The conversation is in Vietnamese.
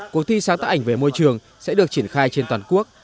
cuộc thi sáng tác ảnh về môi trường sẽ được triển khai trên toàn quốc